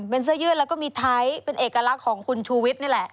เป็นเสื้อยืดแล้วก็มีไทยเป็นเอกลักษณ์ของคุณชูวิทย์นี่แหละ